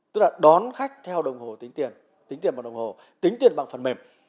tức là đón khách theo đồng hồ tính tiền tính tiền và đồng hồ tính tiền bằng phần mềm